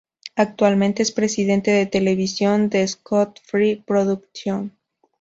Actualmente es Presidente de Televisión de Scott Free Productions.